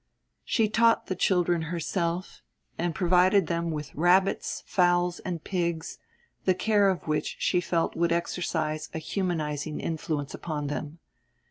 She taught the children herself, and provided them with rabbits, fowls, and pigs, the care of which she felt would exercise a humanising influence upon them.